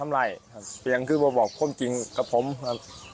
บันหลังคือบรรบพ่อมจริงกับผมครับ